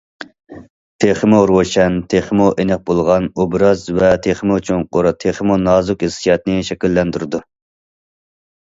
تېخىمۇ روشەن، تېخىمۇ ئېنىق بولغان ئوبراز ۋە تېخىمۇ چوڭقۇر، تېخىمۇ نازۇك ھېسسىياتنى شەكىللەندۈرىدۇ.